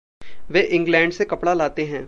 वे England से कपड़ा लाते हैं।